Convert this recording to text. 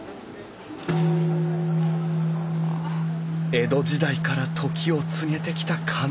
江戸時代から時を告げてきた鐘。